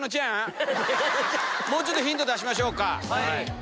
もうちょっとヒント出しましょうか。